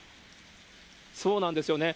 そうなんですよね。